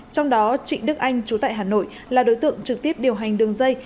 trong đó trịnh đức anh chú tại hà nội là đối tượng trực tiếp điều hành đường dây